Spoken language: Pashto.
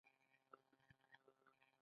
افغانۍ د راکړې ورکړې یوازینۍ وسیله ده